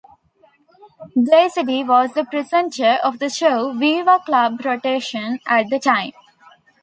Daisy Dee was the presenter of the show "Viva Club Rotation" at the time.